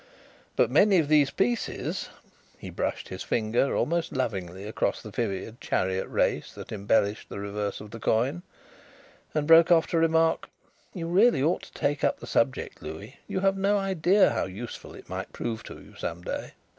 But many of these pieces " He brushed his finger almost lovingly across the vivid chariot race that embellished the reverse of the coin, and broke off to remark: "You really ought to take up the subject, Louis. You have no idea how useful it might prove to you some day."